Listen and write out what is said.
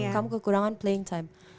kamu kekurangan playing time